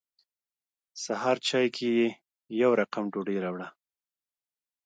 سهار چای کې یې يو رقم ډوډۍ راوړه.